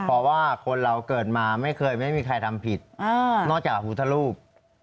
เพราะว่าคนเราเกิดมาไม่เคยไม่มีใครทำผิดนอกจากพุทธรูป